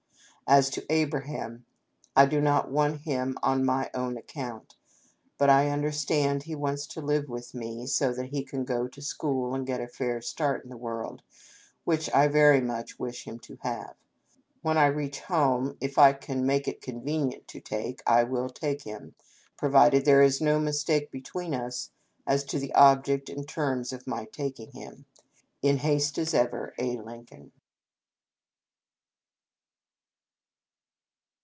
" As to Abraham, I do not want him on my own account ; but I understand he wants to live with me so that he can go to school and get a fair start in the world, which I very much wish him to have. When I reach home, if I can make it con venient to take, I will take him, provided there is no mistake between us as to the object and terms of my taking him. " In haste, as ever, " A. Lincoln."